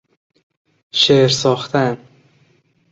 شعر ساختن